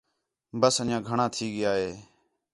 ٻس انڄیاں گھݨاں تھی ڳِیا ہِے